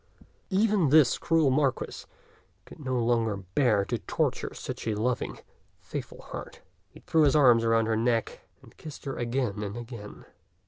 '* Even this cruel Marquis could no longer bear to torture such a loving, faithful heart. He threw his arms about her neck, and kissed her again and again.